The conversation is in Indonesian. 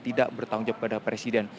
tidak bertanggung jawab pada presiden